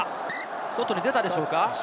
外に出たでしょうか。